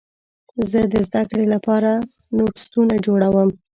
زه د زدهکړې لپاره نوټسونه جوړوم.